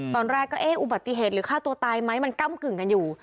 ตอนแรกก็เอ๊ะอุบัติเหตุหรือฆ่าตัวตายไหมมันก้ำกึ่งกันอยู่